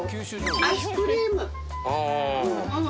アイスクリーム。